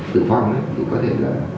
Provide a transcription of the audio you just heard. từ vòng thì có thể là